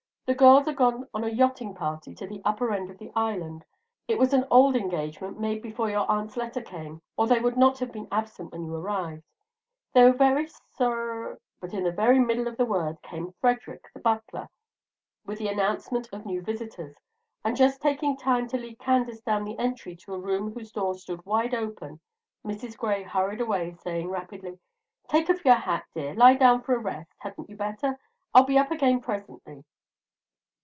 The girls are gone on a yachting party to the upper end of the island. It was an old engagement, made before your aunt's letter came, or they would not have been absent when you arrived. They were very sor " But in the very middle of the word came Frederic, the butler, with the announcement of new visitors; and, just taking time to lead Candace down the entry to a room whose door stood wide open, Mrs. Gray hurried away, saying rapidly: "Take off your hat, dear. Lie down for a rest, hadn't you better? I'll be up again presently."